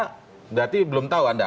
berarti belum tahu anda